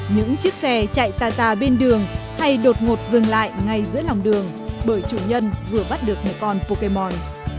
những chiếc xe chạy tà tà bên đường hay đột ngột dừng lại ngay giữa lòng đường bởi chủ nhân vừa bắt được một con pokemon